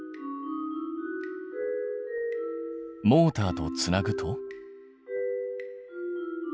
モーターとつなぐと？